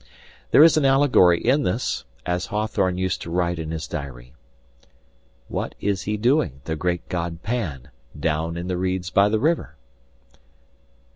There is an allegory in this as Hawthorne used to write in his diary. ("What is he doing, the great god Pan, Down in the reeds by the river?")